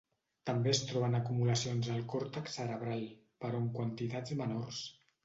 També es troben acumulacions al còrtex cerebral, però en quantitats menors.